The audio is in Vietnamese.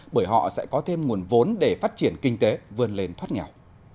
bởi họ sẽ có thêm nguồn vốn để phát triển kinh tế vươn lên thoát nghèo